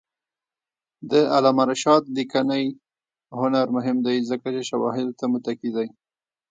د علامه رشاد لیکنی هنر مهم دی ځکه چې شواهدو ته متکي دی.